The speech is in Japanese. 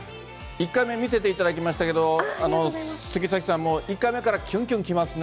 １回目、見せていただきましたけれども、杉咲さんも、１回目からキュンキュン来ますね。